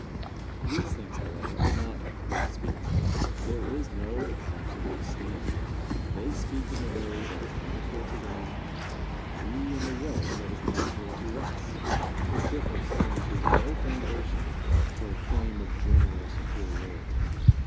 These things, however, are not worth speaking of. There is no absolute standard. They speak in the way that is natural to them, and we in the way that is natural to us. This difference furnishes no foundation for a claim of general superiority.